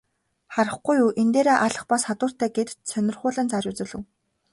Харахгүй юу, энэ дээрээ алх бас хадууртай гээд сонирхуулан зааж үзүүлэв.